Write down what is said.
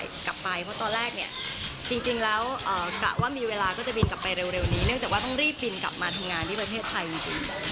กลับไปเพราะตอนแรกเนี่ยจริงแล้วกะว่ามีเวลาก็จะบินกลับไปเร็วนี้เนื่องจากว่าต้องรีบบินกลับมาทำงานที่ประเทศไทยจริง